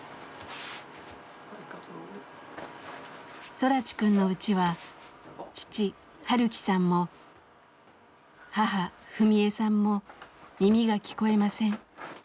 空知くんのうちは父晴樹さんも母史恵さんも耳が聞こえません。